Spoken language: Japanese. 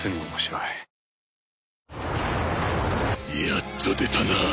やっと出たな！